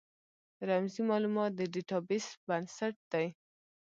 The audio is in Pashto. رمزي مالومات د ډیټا بیس بنسټ دی.